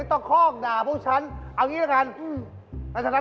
ก็ฉันด่าพวกเธอจนเสียงฉันแหบเป็นอย่างนี้ไม่พอแล้วเนี่ย